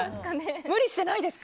無理してないです。